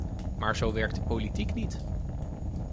Maar zo werkt de politiek niet.